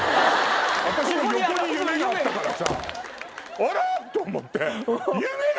私の横に「夢」があったからさあれ⁉と思って。